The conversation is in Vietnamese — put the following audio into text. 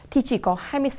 thì chỉ có hai mươi sáu chín